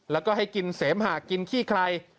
แล้วก็ให้กินเสมหะกินขี้ไคร้